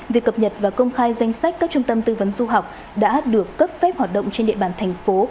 việc cập nhật và công khai danh sách các trung tâm tư vấn du học đã được cấp phép hoạt động trên địa bàn thành phố